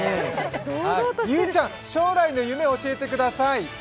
ゆうちゃん、将来の夢を教えてください。